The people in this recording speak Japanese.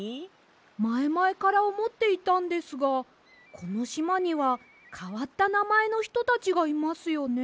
まえまえからおもっていたんですがこのしまにはかわったなまえのひとたちがいますよね。